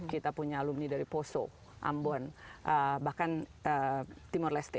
kita punya alumni dari poso ambon bahkan timor leste